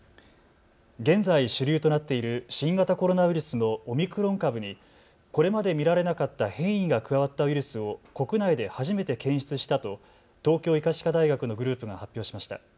現在、主流となっている新型コロナウイルスのオミクロン株にこれまで見られなかった変異が加わったウイルスを国内で初めて検出したと東京医科歯科大学のグループが発表しました。